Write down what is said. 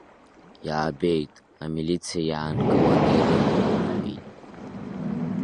Иаабеит, амилициа иаанкыланы ирымоуп, – рҳәеит.